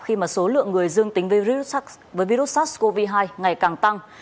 khi mà số lượng người dương tính với virus sars cov hai ngày càng tăng